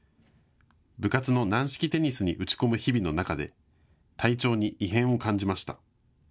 部活の軟式テニスに打ち込む日々の中で体調に異変を感じました。